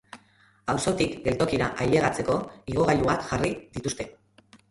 Auzotik geltokira ailegatzeko igogailuak jarri dituzte.